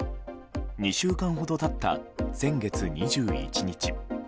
２週間ほど経った先月２１日。